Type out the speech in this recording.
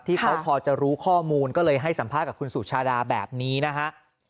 ที่เขาพอจะรู้ข้อมูลก็เลยให้สัมภาษณ์กับคุณสุชาดาแบบนี้นะฮะ